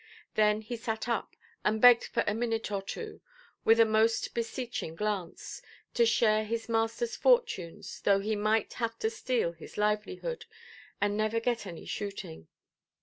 Then he sat up, and begged for a minute or two, with a most beseeching glance, to share his masterʼs fortunes, though he might have to steal his livelihood, and never get any shooting.